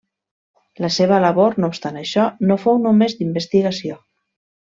La seva labor, no obstant això, no fou només d'investigació.